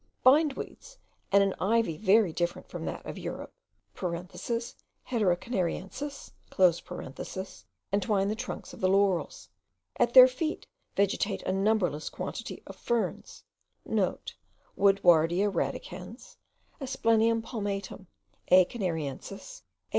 Bindweeds, and an ivy very different from that of Europe (Hedera canariensis) entwine the trunks of the laurels; at their feet vegetate a numberless quantity of ferns,* (* Woodwardia radicans, Asplenium palmatum, A. canariensis, A.